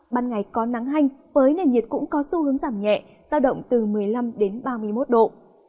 ban ngày có nắng hanh với nền nhiệt cũng có xu hướng giảm nhẹ giao động từ một mươi năm đến ba mươi một độ